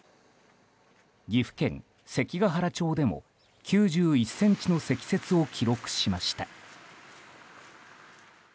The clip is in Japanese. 岐阜県関ケ原町でも９１ｃｍの積雪を記録しました。